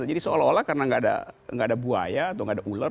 jadi seolah olah karena tidak ada buaya atau tidak ada ular